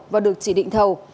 và được chỉ định thầu